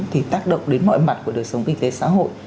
thì tác động đến mọi mặt của đời sống kinh tế xã hội